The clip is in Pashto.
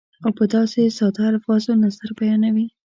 او په داسې ساده الفاظو نظر بیانوي